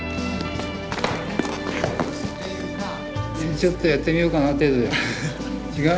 ちょっとやってみようかな程度違う？